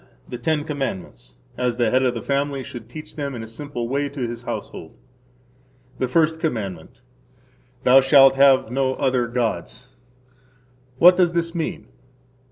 The Ten Commandments As the head of the family should teach them in a simple way to his household. The First Commandment. Thou shalt have no other gods. What does this mean?